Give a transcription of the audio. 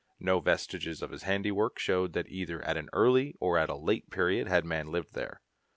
No vestiges of his handiwork showed that either at an early or at a late period had man lived there.